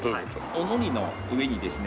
お海苔の上にですね